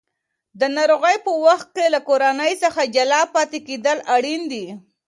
د ناروغۍ په وخت کې له کورنۍ څخه جلا پاتې کېدل اړین دي.